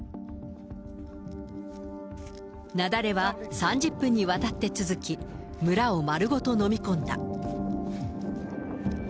雪崩は３０分にわたって続き、村を丸ごと飲み込んだ。